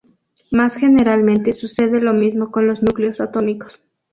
Más generalmente sucede lo mismo con los núcleos atómicos.